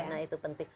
nah itu penting